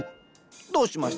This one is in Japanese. どうしました？